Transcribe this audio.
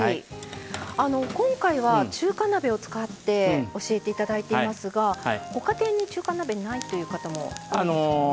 今回は中華鍋を使って教えていただいていますがご家庭に中華鍋がないという方も。